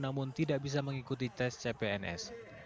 namun tidak bisa mengikuti tes cpns